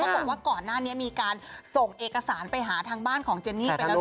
บอกว่าก่อนหน้านี้มีการส่งเอกสารไปหาทางบ้านของเจนนี่ไปแล้ว